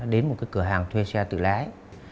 đến một cái cửa hàng thuê xe tự lái